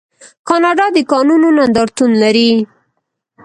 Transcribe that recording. کاناډا د کانونو نندارتون لري.